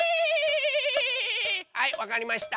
はいわかりました！